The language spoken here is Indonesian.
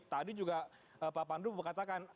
tadi juga pak pandu berkatakan